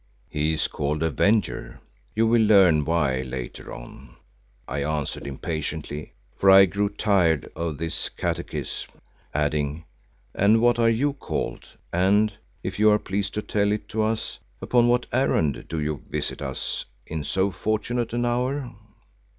"He is called Avenger; you will learn why later on," I answered impatiently, for I grew tired of this catechism, adding, "And what are you called and, if you are pleased to tell it to us, upon what errand do you visit us in so fortunate an hour?"